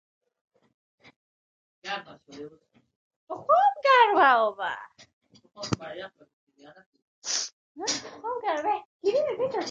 ازادي راډیو د د مخابراتو پرمختګ د اړونده قوانینو په اړه معلومات ورکړي.